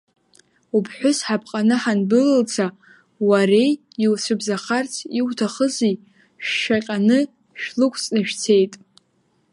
Уԥҳәыс ҳапҟаны ҳандәылылца, уареи иуцәыбзахарц иуҭахызи шәшәаҟьаны шәлықәҵны шәцеит.